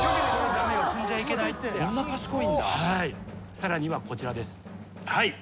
さらにはこちらです。